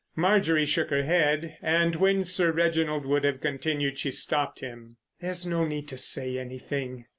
Marjorie shook her head, and when Sir Reginald would have continued she stopped him. "There's no need to say anything.